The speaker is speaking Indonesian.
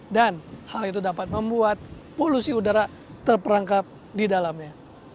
dan hal itu dapat membuat polusi udara terperangkap di dalamnya